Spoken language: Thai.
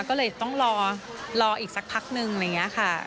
ก็เลยต้องรออีกสักพักนึงอะไรอย่างนี้ค่ะ